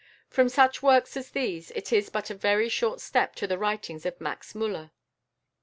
From such works as these it is but a very short step to the writings of Max Müller.